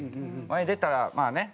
「前に出たらまあね